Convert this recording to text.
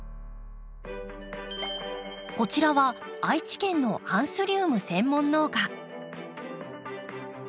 こちらは愛知県のアンスリウム専門農家。